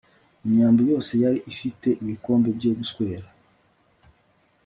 Imyambi yose yari ifite ibikombe byo guswera